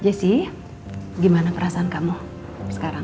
jessi gimana perasaan kamu sekarang